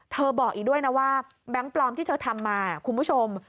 บอกอีกด้วยนะว่าแบงค์ปลอมที่เธอทำมาคุณผู้ชม